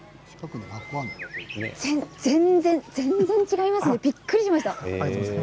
全然違いますねびっくりしました。